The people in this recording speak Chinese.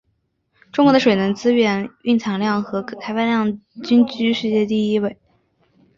中国的水能资源蕴藏量和可开发量均居世界第一位。